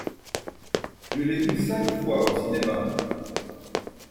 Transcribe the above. Je l'ai vu cinq fois au cinéma.